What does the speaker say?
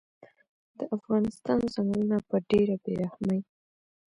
د افغانستان ځنګلونه په ډیره بیرحمۍ